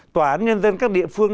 tòa án nhân dân các địa phương